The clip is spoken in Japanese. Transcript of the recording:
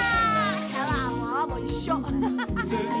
シャワーもあわもいっしょ。